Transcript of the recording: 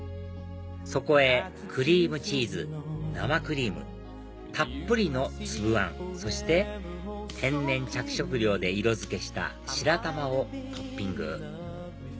そこへクリームチーズ生クリームたっぷりの粒あんそして天然着色料で色づけした白玉をトッピング